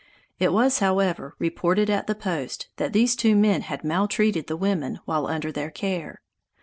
It was, however, reported at the post that these two men had maltreated the women while under their care.